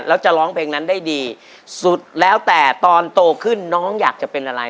แล้วจะร้องเพลงนั้นได้ดีสุดแล้วแต่ตอนโตขึ้นน้องอยากจะเป็นอะไร